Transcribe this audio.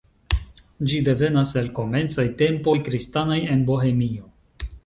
Ĝi devenas el komencaj tempoj kristanaj en Bohemio.